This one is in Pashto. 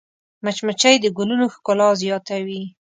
مچمچۍ د ګلونو ښکلا زیاتوي